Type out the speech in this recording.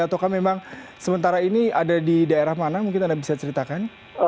ataukah memang sementara ini ada di daerah mana mungkin anda bisa ceritakan